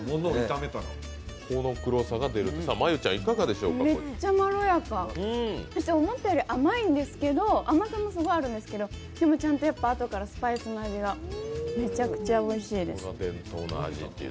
めっちゃまろやか、そして思ったより甘いんですけど甘さもすごいあるんですけど、あとから、スパイスの味がめちゃくちゃおいしいです。